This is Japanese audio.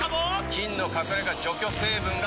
菌の隠れ家除去成分が６倍に！